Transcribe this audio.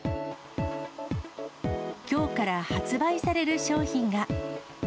きょうから発売される商品が。